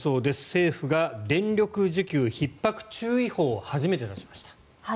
政府が電力需給ひっ迫注意報を初めて出しました。